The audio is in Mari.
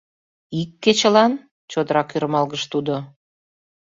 — Ик кечылан?! — чотрак ӧрмалгыш Тудо.